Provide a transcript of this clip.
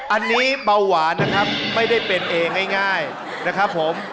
อันนี้เบาหวานนะครับไม่ได้เป็นเองง่ายนะครับผม